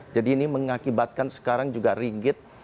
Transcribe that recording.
jadi ini mengakibatkan sekarang juga ringgit